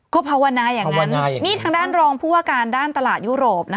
ก็ภาวนาอย่างนั้นนี่ทางด้านรองผู้ว่าการด้านตลาดยุโรป